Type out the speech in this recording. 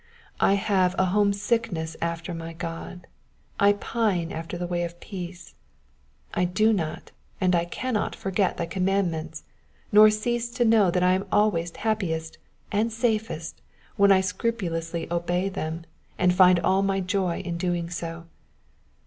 I have a home sickness after my God, I pine after the ways of peace ; I do not and I cannot forget thy conmiandmcnts, nor cease to know that I am always happiest and safest when I scrupulously obey them, and find all my joy in doing so.